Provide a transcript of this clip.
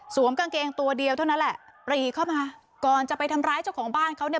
กางเกงตัวเดียวเท่านั้นแหละปรีเข้ามาก่อนจะไปทำร้ายเจ้าของบ้านเขาเนี่ย